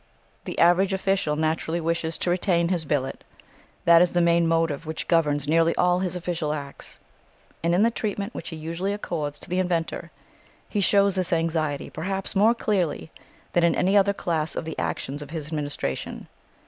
The average official naturally wishes to retain his billet. That is the main motive which governs nearly all his official acts; and in the treatment which he usually accords to the inventor he shows this anxiety perhaps more clearly than in any other class of the actions of his administration.